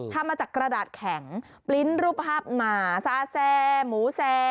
ทำมาจากกระดาษแข็งปลิ้นรูปภาพหมาซาแซหมูแซ